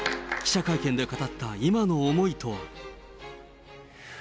記者会見で語った、今の思いとは。